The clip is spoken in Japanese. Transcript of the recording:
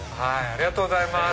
ありがとうございます。